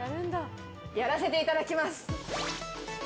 やらせていただきます！